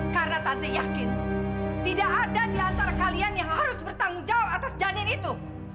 karena tante yakin tidak ada di antara kalian yang harus bertanggung jawab atas janin itu